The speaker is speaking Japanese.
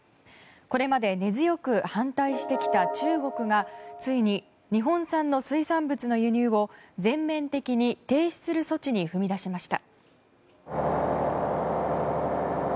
これまで根強く反対してきた中国がついに日本産の水産物の輸入を全面的に停止する措置に踏み出しました。